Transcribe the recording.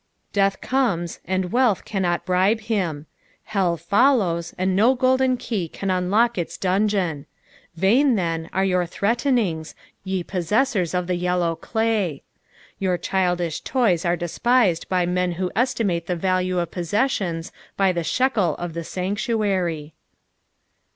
Death comes and wealth can not bribe him ; hell fnllowa, and no golden key can unlock its dungeon. Vain, then, are yonr threatenings, ye possessors of the yellow clay ; your childish toys are despised by men who estimate the value of possessions by the shekel of the aanctuary.